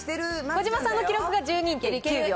児嶋さんの記録が１２．９秒。